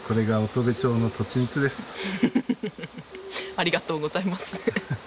ありがとうございます。